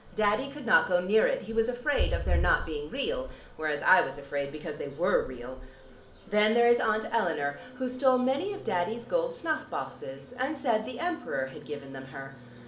Daddy could not go near it: he was afraid of their not being real, whereas I was afraid because they were real. Then there is Aunt Eleanor who stole many of Daddy's gold snuff boxes and said the Emperor had given them her.